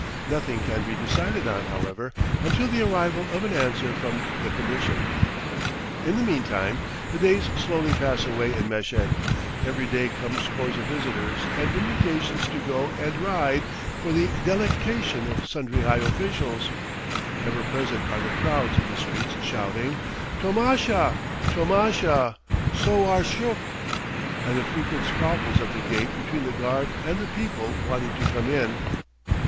Nothing can be decided on, however, until the arrival of an answer from the Commission. In the meantime, the days slowly pass away in Meshed; every day come scores of visitors and invitations to go and ride for the delectation of sundry high officials; ever present are the crowds in the streets shouting, "Tomasha! tomasha! Sowar shuk!" and the frequent squabbles at the gate between the guard and the people wanting to come in.